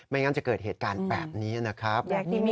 งั้นจะเกิดเหตุการณ์แบบนี้นะครับ